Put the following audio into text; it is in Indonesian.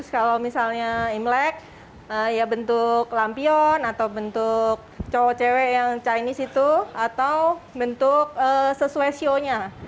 kalau misalnya imlek ya bentuk lampion atau bentuk cowok cewek yang chinese itu atau bentuk sesuai sionya